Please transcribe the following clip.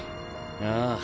ああ。